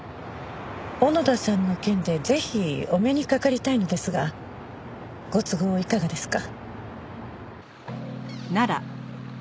小野田さんの件でぜひお目にかかりたいのですがご都合いかがですか？